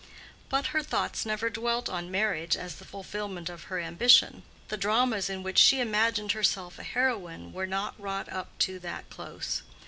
But her thoughts never dwelt on marriage as the fulfillment of her ambition; the dramas in which she imagined herself a heroine were not wrought up to that close.